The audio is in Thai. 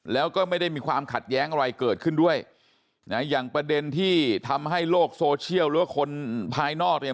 แล้วก็ไม่ได้มีความขัดแย้งอะไรเกิดขึ้นด้วยนะอย่างประเด็นที่ทำให้โลกโซเชียลหรือว่าคนภายนอกเนี่ย